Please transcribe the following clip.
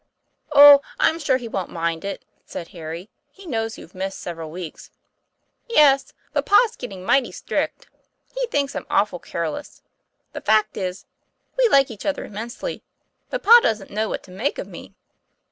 'Oh! I'm sure he won't mind it," said Harry. 'He knows you've missed several weeks." 'Yes, but pa's getting mighty strict. He thinks I'm awful careless. The fact is, we like each other immensely, but pa doesn't know what to make of me.